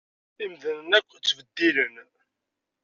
Imdanen akk ttbeddilen.